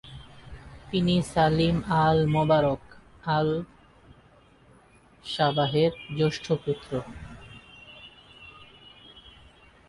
তিনি Salim Al-Mubarak আল-সাবাহের জ্যেষ্ঠ পুত্র।